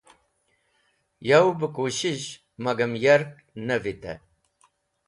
Yavẽ bẽ kushish magam yark ne vitẽ.